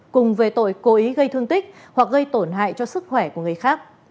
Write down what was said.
cùng về tội cố ý gây thương tích hoặc gây tổn hại cho sức khỏe của người khác